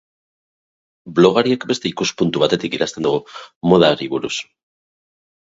Blogariek beste ikuspuntu batetik idazten dugu modari buruz.